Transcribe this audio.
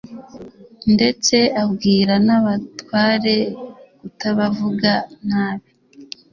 ndetse abwira n'abatware kutabavuga nabi